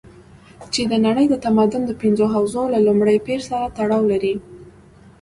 چې د نړۍ د تمدن د پنځو حوزو له لومړي پېر سره تړاو لري.